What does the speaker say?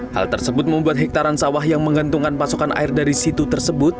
hal tersebut membuat hektaran sawah yang menggantungkan pasokan air dari situ tersebut